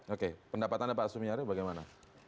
oke pendapatan pak sumiari bagaimana